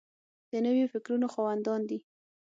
د نویو فکرونو خاوندان دي.